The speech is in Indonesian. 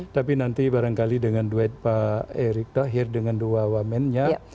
tapi nanti barangkali dengan duet pak erick tahir dengan dua woman nya